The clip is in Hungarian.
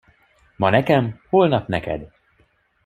Ma nekem, holnap neked.